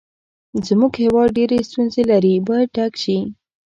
زموږ هېواد ډېرې ستونزې لري باید ډک شي.